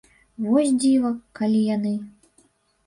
Вось дзіва, калі яны.